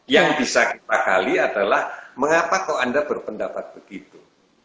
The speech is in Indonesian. yang bisa kita gali adalah mengapa kok anda berpendapat begitu